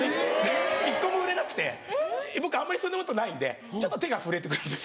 １個も売れなくて僕あんまりそんなことないんでちょっと手が震えてくるんです。